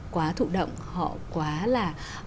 quá thụ động họ quá là